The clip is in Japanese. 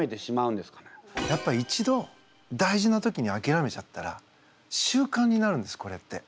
やっぱ一度大事な時にあきらめちゃったら習慣になるんですこれって。